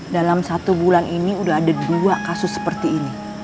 dalam satu bulan ini sudah ada dua kasus seperti ini